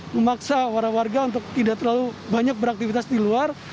memaksa warga untuk tidak terlalu banyak beraktivitas di luar